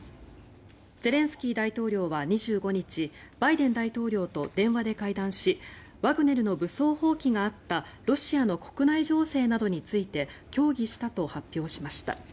ゼレンスキー大統領は２５日バイデン大統領と電話で会談しワグネルの武装蜂起があったロシアの国内情勢などについて協議したと発表しました。